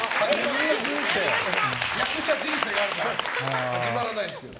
役者人生があるから始まらないですけど。